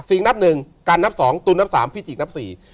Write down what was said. นับหนึ่งการนับสองตุนนับสามพี่จิกนับสี่